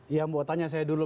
yang mau tanya saya dulu